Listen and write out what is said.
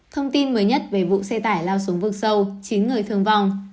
thông tin mới nhất về vụ xe tải lao xuống vực sâu chín người thương vong